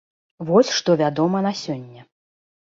Вось што вядома на сёння.